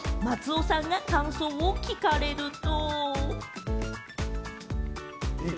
松尾さんが感想を聞かれると。